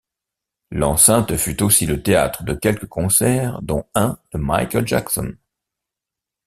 L’enceinte fut aussi le théâtre de quelques concerts dont un de Michael Jackson.